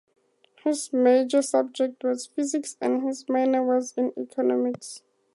His major subject was physics and his minor was in economics.